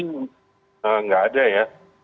nggak ada ya